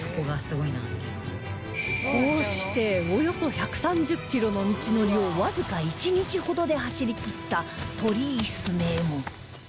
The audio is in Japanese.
こうしておよそ１３０キロの道のりをわずか１日ほどで走りきった鳥居強右衛門